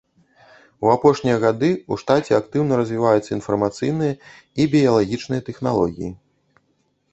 У апошнія гады ў штаце актыўна развіваюцца інфармацыйныя і біялагічныя тэхналогіі.